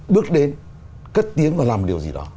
bước đến cất tiếng và làm điều gì đó